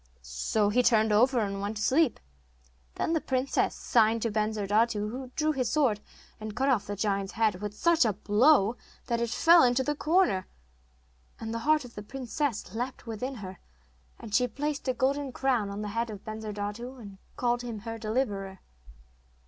So he turned over and went to sleep. Then the princess signed to Bensurdatu, who drew his sword and cut off the giant's head with such a blow that it flew into the corner. And the heart of the princess leapt within her, and she placed a golden crown on the head of Bensurdatu, and called him her deliverer.